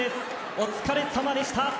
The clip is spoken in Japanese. お疲れさまでした。